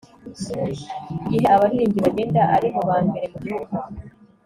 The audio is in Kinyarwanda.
mugihe abaririmbyi bagenda, ari mubambere mu gihugu